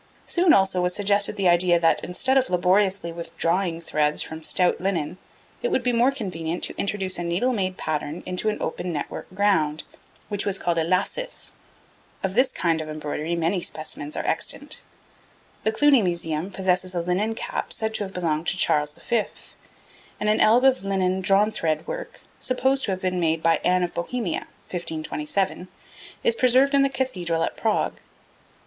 Soon, also, was suggested the idea that, instead of laboriously withdrawing threads from stout linen, it would be more convenient to introduce a needle made pattern into an open network ground, which was called a lacis. Of this kind of embroidery many specimens are extant. The Cluny Museum possesses a linen cap said to have belonged to Charles V.; and an alb of linen drawn thread work, supposed to have been made by Anne of Bohemia (1527), is preserved in the cathedral at Prague.